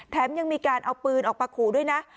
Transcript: แถมยังมีการเอาปืนออกประขูด้วยนะ